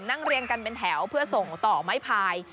เรียงกันเป็นแถวเพื่อส่งต่อไม้พาย